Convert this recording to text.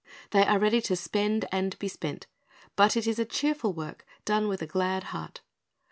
They are ready to spend and to be spent; but it is a cheerful work, done with a glad heart.